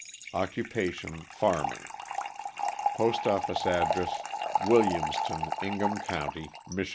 Occupation farming. Postoffice address, Williams ton, Ingham county, Mich.